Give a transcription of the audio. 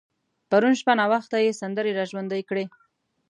پرون شپه ناوخته يې سندرې را ژوندۍ کړې.